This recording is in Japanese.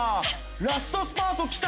ラストスパートきた！